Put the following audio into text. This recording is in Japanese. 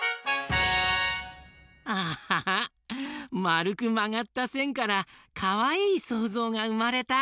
まるくまがったせんからかわいいそうぞうがうまれた！